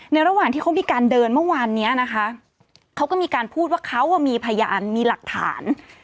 ระหว่างที่เขามีการเดินเมื่อวานนี้นะคะเขาก็มีการพูดว่าเขามีพยานมีหลักฐาน